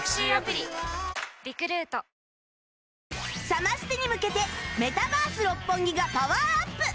サマステに向けてメタバース六本木がパワーアップ！